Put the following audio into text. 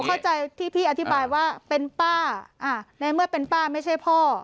เข้าใจที่พี่อธิบายว่าเป็นป้าในเมื่อเป็นป้าไม่ใช่พ่อ